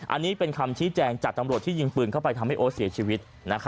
อันนี้เป็นคำชี้แจงจากตำรวจที่ยิงปืนเข้าไปทำให้โอ๊ตเสียชีวิต